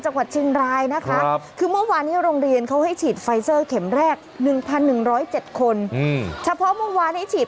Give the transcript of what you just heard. อ้าวเหลือมาแล้ว